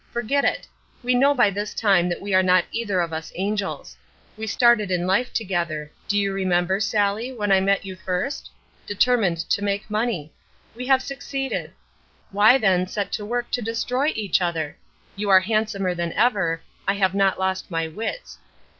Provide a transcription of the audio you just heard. Forget it. We know by this time that we are not either of us angels. We started in life together do you remember, Sally, when I met you first? determined to make money. We have succeeded. Why then set to work to destroy each other? You are handsomer than ever, I have not lost my wits.